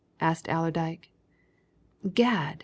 asked Allerdyke. "Gad!